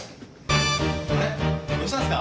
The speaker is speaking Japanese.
あれどうかしたんすか？